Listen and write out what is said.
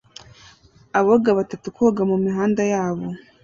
Aboga batatu koga mumihanda yabo